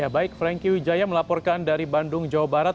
baik franky wijaya melaporkan dari bandung jawa barat